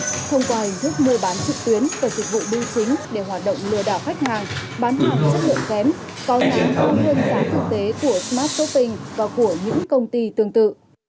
bán hàng có chất lượng kém có giá hơn giá thực tế của smart shopping và của những công ty tương tự